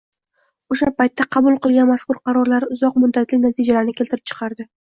o‘sha paytda qabul qilgan mazkur qarorlari uzoq muddatli natijalarni keltirib chiqardi.